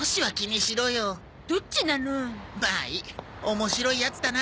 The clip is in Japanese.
面白いヤツだな。